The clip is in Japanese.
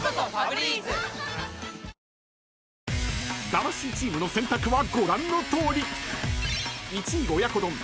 ［魂チームの選択はご覧のとおり］